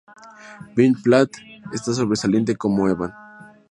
Ben Platt está sobresaliente como Evan...